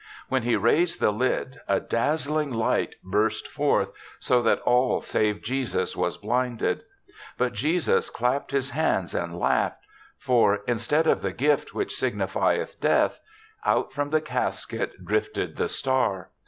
iWhen he raised the lid, a dazzling light burst forth, so that all save jjesus was blinded. But Jesus clapped his hands and laughed, for instead of [the gift which signifieth Death, out 58 THE SEVENTH CHRISTMAS from the casket drifted the star.